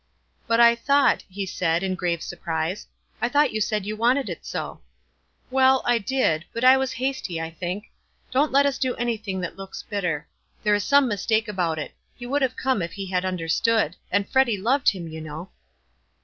"But I thought," he said, in grave surprise, "I thought you said you wanted it so." "Well, I did; but I was hasty, I think. Don't let us do anything that looks bitter. There is some mistake about it. He would have come if he had understood ; and Freddy loved him, you know."